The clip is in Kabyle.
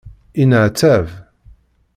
Yenneɛtab.